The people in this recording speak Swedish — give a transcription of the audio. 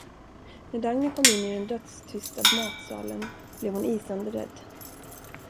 När Dagny kom in i den dödstysta matsalen blev hon isande rädd.